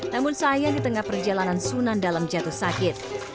namun sayang di tengah perjalanan sunan dalam jatuh sakit